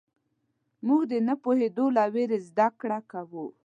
موږ د نه پوهېدو له وېرې زدهکړه کوو.